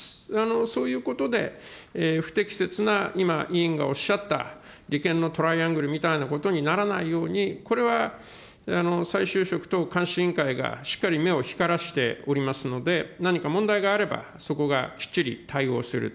そういうことで、不適切な、今、委員がおっしゃった利権のトライアングルみたいなことにならないように、これは再就職等監視委員会がしっかり目を光らせておりますので、何か問題があれば、そこがきっちり対応すると。